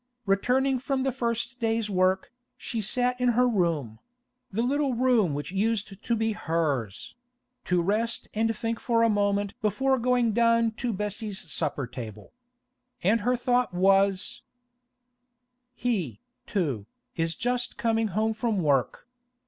Returning from the first day's work, she sat in her room—the little room which used to be hers—to rest and think for a moment before going down to Bessie's supper table. And her thought was: 'He, too, is just coming home from work.